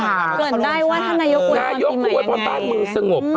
ไม่เกิดได้ว่าท่านนายกรกรปรังตราศน์มึงสงบ